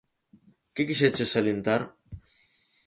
Que quixeches salientar?